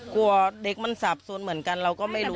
กลัวเด็กมันสาบสนเหมือนกันเราก็ไม่รู้